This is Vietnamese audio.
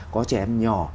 có trẻ em nhỏ